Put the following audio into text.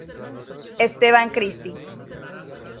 Esteban Cristi.